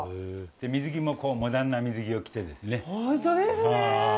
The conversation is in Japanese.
水着もモダンな水着を着てですね。